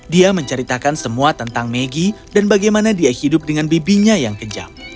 dia menceritakan semua tentang maggie dan bagaimana dia hidup dengan bibinya yang kejam